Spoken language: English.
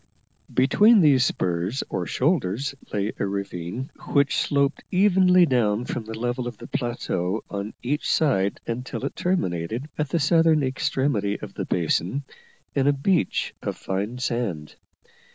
Between these spurs or shoulders lay a ravine, which sloped evenly down from the level of the plateau on each side until it terminated, at the southern extremity of the basin, in a beach of fine sand.